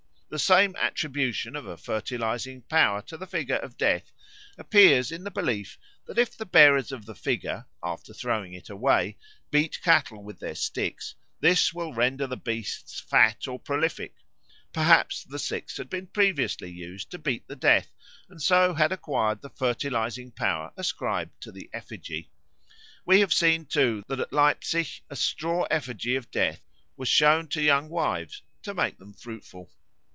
The same attribution of a fertilising power to the figure of Death appears in the belief that if the bearers of the figure, after throwing it away, beat cattle with their sticks, this will render the beasts fat or prolific. Perhaps the sticks had been previously used to beat the Death, and so had acquired the fertilising power ascribed to the effigy. We have seen, too, that at Leipsic a straw effigy of Death was shown to young wives to make them fruitful.